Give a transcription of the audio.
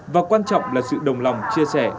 và quan trọng là sự đồng lòng chia sẻ